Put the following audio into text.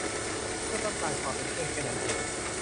เพื่อต้องการความเป็นเพื่อนแค่นั้นเอง